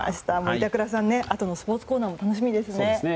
板倉さん、あとのスポーツコーナーも楽しみですね。